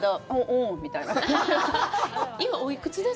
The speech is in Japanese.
おう、みたいな感じで。